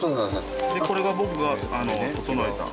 これが僕が整えた。